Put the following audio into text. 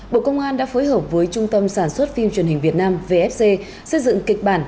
bộ công an đã phối hợp với trung tâm sản xuất phim truyền hình việt nam vfc xây dựng kịch bản